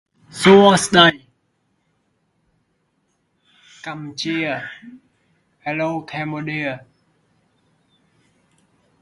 The Court of Appeal for Ontario ruled against the First Nations bands.